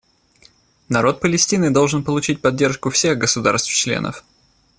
Народ Палестины должен получить поддержку всех государств-членов.